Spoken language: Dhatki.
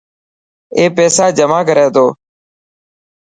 اي پيسا جمع ڪري تو.